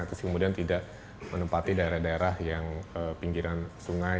terus kemudian tidak menempati daerah daerah yang pinggiran sungai